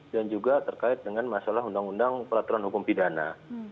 dan juga terkait dengan masalah undang undang peraturan hukum pidana